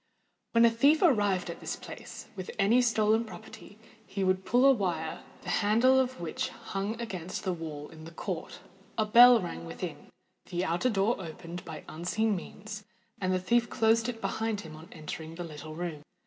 When a thief arrived at this place with any stolen property, he pulled a wire the handle of which hung against the wall in the court: a bell rang within—the outer door opened by unseen means, and the thief closed it behind him on entering the little room.